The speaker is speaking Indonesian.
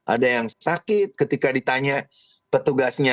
ada yang sakit ketika ditanya petugasnya